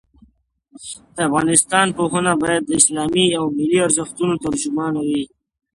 د افغانستان پوهنه باید د اسلامي او ملي ارزښتونو ترجمانه وي.